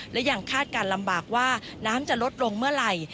และยังคาดการณ์ลำบากว่าน้ำจะลดลงเมื่อไหร่